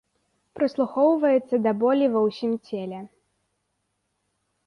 Прыслухоўваецца да болі ва ўсім целе.